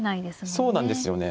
そうなんですよね。